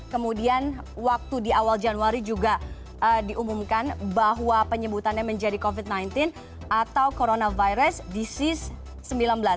kemudian waktu di awal januari juga diumumkan bahwa penyebutannya menjadi covid sembilan belas atau coronavirus disease sembilan belas